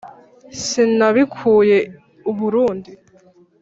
Sinabikuye u Burundi,